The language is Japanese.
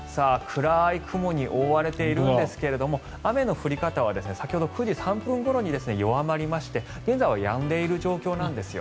暗い雲に覆われているんですけど雨の降り方は先ほど９時３０分ごろに弱まりまして現在はやんでいる状況なんです。